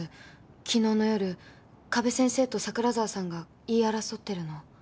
昨日の夜加部先生と桜沢さんが言い争ってるのを。